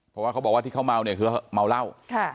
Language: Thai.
เพราะว่าเขาบอกว่าที่เขาเมาเนี่ยคือเมาเหล้า